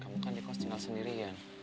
kamu kan dikos tinggal sendirian